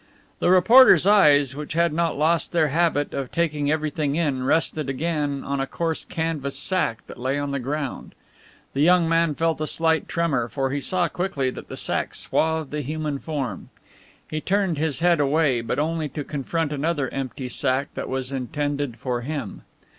The reporter's eyes, which had not lost their habit of taking everything in, rested again on a coarse canvas sack that lay on the ground. The young man felt a slight tremor, for he saw quickly that the sack swathed a human form. He turned his head away, but only to confront another empty sack that was intended for him.